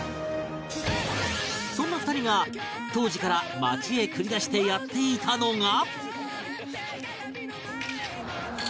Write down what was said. そんな２人が当時から街へ繰り出してやっていたのが